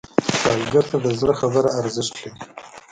سوالګر ته د زړه خیر ارزښت لري